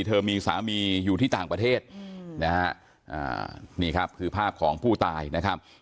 เธอมีสามีอยู่ที่ต่างประเทศนะฮะนี่ครับคือภาพของผู้ตายนะครับ